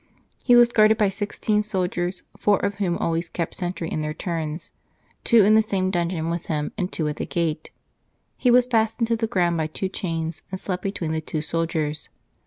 He was guarded by sixteen soldiers, four of whom always kept sentry in their turns : two in the same dungeon with him, and two at the gate. He was fastened to the ground by two chains, and slept between the two soldiers.